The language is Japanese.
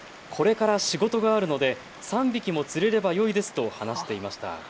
これから仕事があるので３匹も釣れればよいですと話していました。